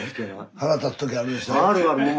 腹立つ時あるでしょう？